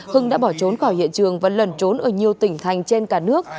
hưng đã bỏ trốn khỏi hiện trường và lần trốn ở nhiều tỉnh thành trên cả nước